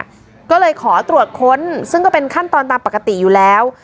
ก็เลยขอตรวจค้นซึ่งก็เป็นขั้นตอนตามปกติอยู่แล้ว